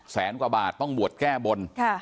แสนกว่าบาทต้องบวชแก้บน